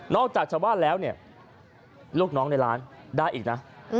จากชาวบ้านแล้วเนี่ยลูกน้องในร้านได้อีกนะ